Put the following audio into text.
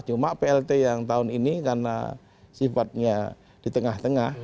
cuma plt yang tahun ini karena sifatnya di tengah tengah